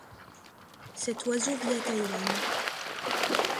Cet oiseau vit à Taïwan.